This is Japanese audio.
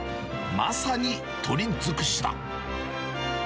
まさに鶏尽くしだ。